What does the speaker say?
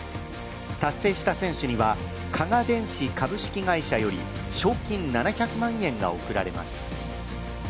達成した選手には加賀電子株式会社より賞金７００万円が贈られます。